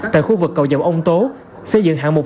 tại khu vực cầu dòng ông tố xây dựng hạng mục